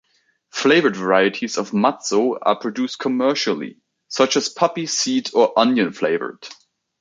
Flavored varieties of matzo are produced commercially, such as poppy seed- or onion-flavored.